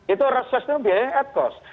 itu reses itu biayanya at cost